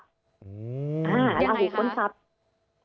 ยังไงคะ